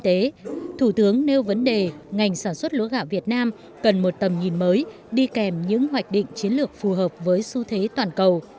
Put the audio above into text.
theo vấn đề ngành sản xuất lúa gạo việt nam cần một tầm nhìn mới đi kèm những hoạch định chiến lược phù hợp với xu thế toàn cầu